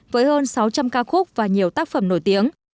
với hơn sáu trăm linh ca khúc và nhiều tác phẩm nổi tiếng